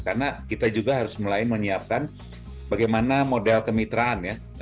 karena kita juga harus mulai menyiapkan bagaimana model kemitraan ya